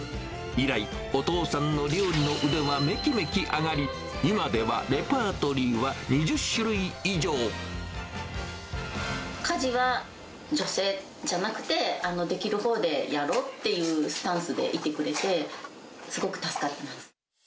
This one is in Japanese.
以来、お父さんの料理の腕はめきめき上がり、今では、レパートリーは家事は女性じゃなくて、できるほうでやろうっていうスタンスでいてくれて、すごく助かってます。